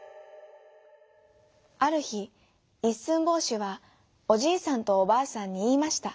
あるひいっすんぼうしはおじいさんとおばあさんにいいました。